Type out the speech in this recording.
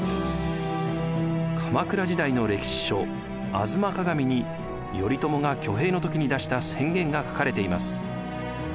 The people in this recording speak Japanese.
鎌倉時代の歴史書「吾妻鏡」に頼朝が挙兵の時に出した宣言が書かれています。